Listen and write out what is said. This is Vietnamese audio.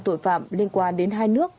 tội phạm liên quan đến hai nước